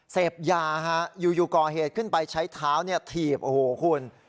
เสพยาฮะอยู่ก่อเหตุขึ้นไปใช้เท้าถีบโอ้โหคุณ